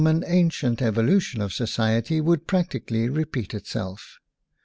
WOMAN AND WAR cient evolution of society would prac tically repeat itself.